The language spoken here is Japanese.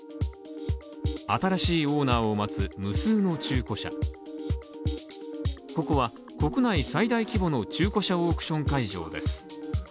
新しいオーナーを待つ無数のの中古車等ここは国内最大規模の中古車オークション会場です。